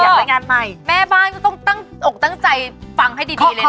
อยากได้งานใหม่เธอต้องออกตั้งใจฟังให้ดีเลยนะ